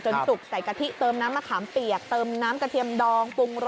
จนตกใส่กะทิเติมน้ำมะขามเปียกเติมน้ำกะเทียมดอง